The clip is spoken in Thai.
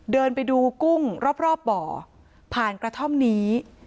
เดินไปดูกุ้งรอบบ่อผ่านกระท่อมนี้